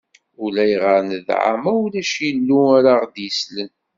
Ulayɣer nedɛa ma ulac illu ara ɣ-d-yeslen.